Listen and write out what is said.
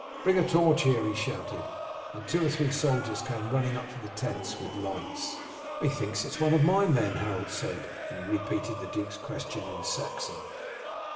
Bring a torch here!" he shouted; and two or three soldiers came running up from the tents with lights. "Methinks it is one of my men," Harold said, and repeated the duke's question in Saxon.